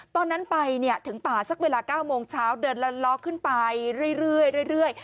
ตอนนั้นไปถึงป่าสักเวลา๙โมงเช้าเดินละล้อขึ้นไปเรื่อย